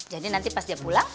jadi nanti pas dia pulang